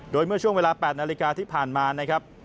โดยเมื่อช่วงเวลา๘นาฬิกาที่ผ่านมานะครับ